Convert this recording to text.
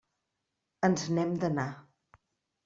Ens n'hem d'anar.